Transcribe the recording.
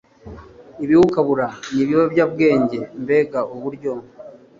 ibiwukabura nibiyobyabwenge mbega uburyo